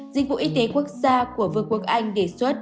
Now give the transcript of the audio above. dịch vụ y tế quốc gia của vương quốc anh đề xuất